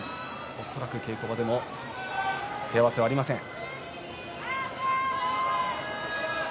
恐らく稽古場でも手合わせありません。